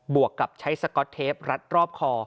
วกกับใช้สก๊อตเทปรัดรอบคอ